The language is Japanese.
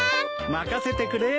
任せてくれよ。